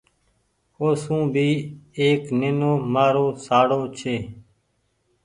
اوسون ڀي ايڪ نينومآرو شاڙو ڇي۔